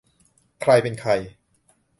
ใครเป็นใคร